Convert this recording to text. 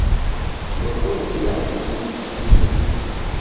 Ndekune ilagho jingi ja kighenyi.